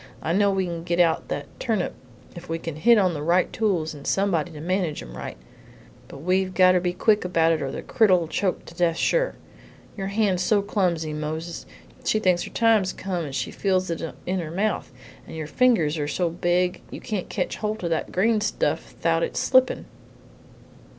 I know we can git out that turnip if we can hit on the right tools and somebody to manage em right; but we've got to be quick about it or the critter'll choke to death, sure! Your hand's so clumsy, Mose, she thinks her time's come when she feels it in her mouth, and your fingers are so big you can't ketch holt o' that green stuff thout its slippin'!"